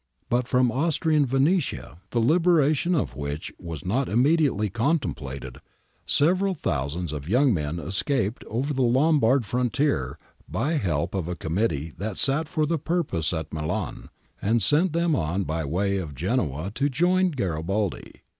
^ But from Austrian Venetia, the liberation of which was not immediately contemplated, several thousands of young men escaped over the Lombard frontier by help of a committee that sat for the purpose at Milan and sent them on by way of Genoa to join Garibaldi.